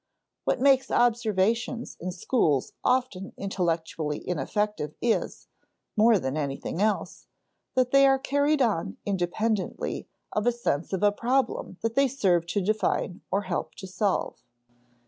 What makes observations in schools often intellectually ineffective is (more than anything else) that they are carried on independently of a sense of a problem that they serve to define or help to solve.